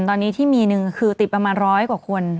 ตอนนี้ที่มีหนึ่งคือติดประมาณร้อยกว่าคน